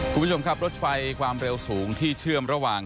คุณผู้ชมครับรถไฟความเร็วสูงที่เชื่อมระหว่าง